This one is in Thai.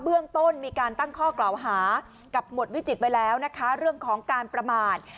เบื้องต้นมีการตั้งข้อกล่าวหากับหมวดวิจิตไว้แล้วนะคะเรื่องของการประมาท